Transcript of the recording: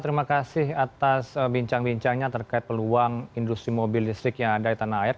terima kasih atas bincang bincangnya terkait peluang industri mobil listrik yang ada di tanah air